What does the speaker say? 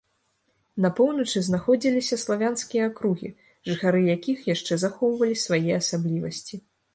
На поўначы знаходзіліся славянскія акругі, жыхары якіх яшчэ захоўвалі свае асаблівасці.